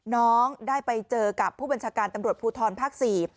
น้องได้ไปเจอกับผู้บัญชาการตำรวจภูทรภาคสี่